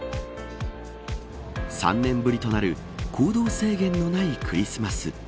３年ぶりとなる行動制限のないクリスマス。